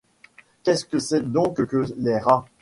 Qu’est-ce que c’est donc que les rats ?